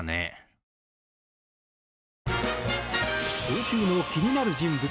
今週の気になる人物